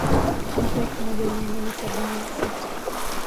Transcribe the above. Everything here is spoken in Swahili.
mwaka elfumoja mia nane sabini na sita